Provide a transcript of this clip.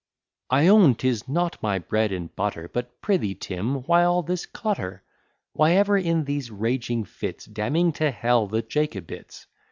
I own, 'tis not my bread and butter, But prithee, Tim, why all this clutter? Why ever in these raging fits, Damning to hell the Jacobites?